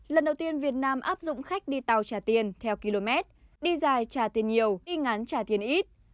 lần đầu tiên việt nam áp dụng khách đi tàu trả tiền theo km đi dài trả tiền nhiều đi ngán trả tiền ít